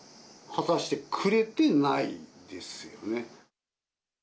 果たしてくれてないですよね。